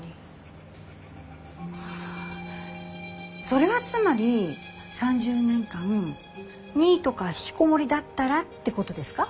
それはつまり３０年間ニートか引きこもりだったらってことですか？